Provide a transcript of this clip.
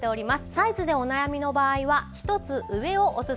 サイズでお悩みの場合は一つ上をおすすめ致します。